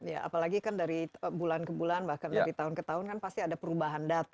ya apalagi kan dari bulan ke bulan bahkan dari tahun ke tahun kan pasti ada perubahan data